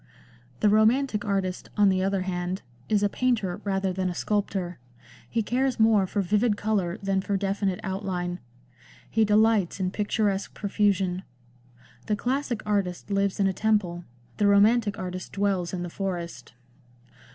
The romantic artist, on the other hand, is a painter rather than a sculptor ; he cares more for vivid colour than for definite outline ; he delights in picturesque profusion. The classic artist lives in a temple ; the romantic artist dwells in the forest.